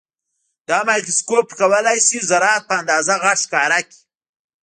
دا مایکروسکوپ کولای شي ذرات په اندازه غټ ښکاره کړي.